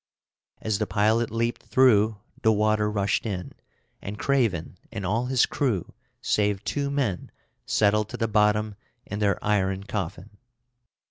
As the pilot leaped through, the water rushed in, and Craven and all his crew, save two men, settled to the bottom in their iron coffin.